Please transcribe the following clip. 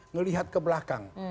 ngelihat ke belakang